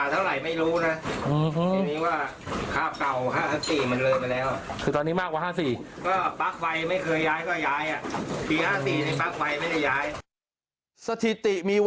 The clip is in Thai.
จากพื้นตรงนี้ดอนแต่ถ้าตรงอื่นเกิน๓เมตร